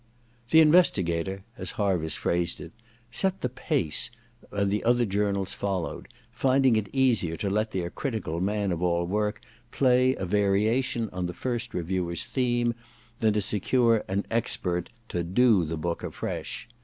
The Investigatory as Harviss phrased it, * set the pace,' and the other journals followed, finding it easier to let their critical man of all work play a variation on the first reviewer's theme than to secure an expert to ^ do ' the book afresh.